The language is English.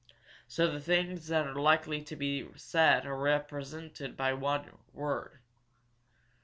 So the things that are likely to be said are represented by one word.